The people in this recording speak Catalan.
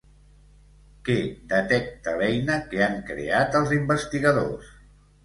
Què detecta l'eina que han creat els investigadors?